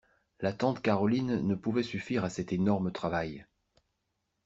La tante Caroline ne pouvait suffire à cet énorme travail.